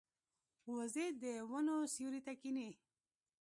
وزې د ونو سیوري ته کیني